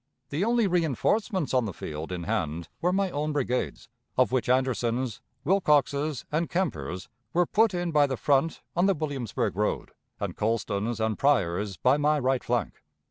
The only reënforcements on the field in hand were my own brigades, of which Anderson's, Wilcox's, and Kemper's were put in by the front on the Williamsburg road, and Colston's and Pryor's by my right flank.